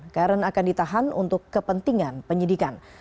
karen akan ditahan untuk kepentingan penyidikan